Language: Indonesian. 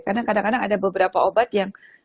karena kadang kadang ada beberapa obat yang